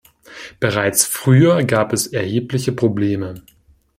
Bereits früher gab es erhebliche Probleme.